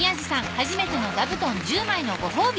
初めての座布団１０枚のご褒美